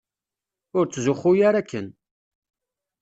Ur tzuxxu ara akken.